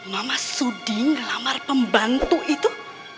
mama suding lamar pembantu itu